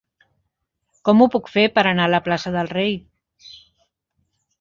Com ho puc fer per anar a la plaça del Rei?